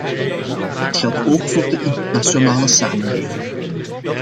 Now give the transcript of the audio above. Dat geldt ook voor de internationale samenleving.